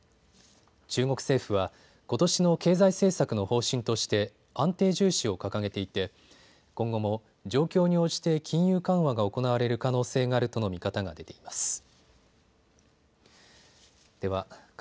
中国政府は、ことしの経済政策の方針として安定重視を掲げていて今後も状況に応じて金融緩和が行われる可能性があるとの見方が出ています。